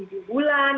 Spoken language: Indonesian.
selama tujuh bulan